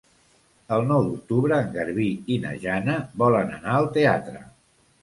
El nou d'octubre en Garbí i na Jana volen anar al teatre.